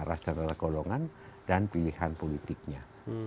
ras dan golongan dan pilihan politiknya